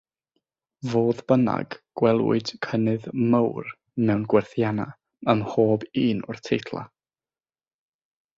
Fodd bynnag, gwelwyd cynnydd mawr mewn gwerthiannau ym mhob un o'r teitlau.